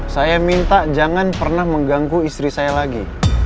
saya minta jangan pernah mengganggu istri saya lagi